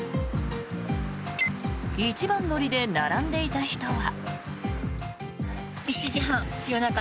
一番乗りで並んでいた人は。